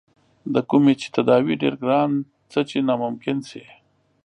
د کومې چې تداوے ډېر ګران څۀ چې ناممکن شي